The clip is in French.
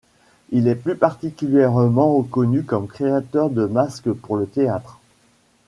Il est plus particulièrement reconnu comme créateur de masques pour le théâtre.